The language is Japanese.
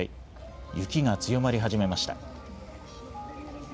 雪が強まり始めました。